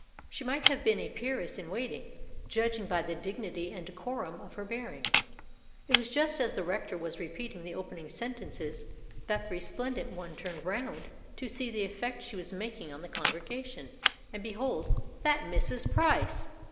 She might have been a peeress in waiting, judging by the dignity and decorum of her bearing. It was just as the Rector was repeating the opening sentences that the resplendent one turned round to see the effect she was making on the congregation, and behold—that Mrs. Price!